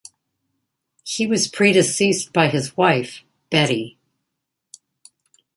He was predeceased by his wife, Betty.